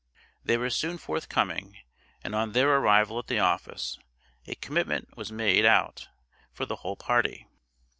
They were soon forthcoming, and on their arrival at the office, a commitment was made out for the whole party.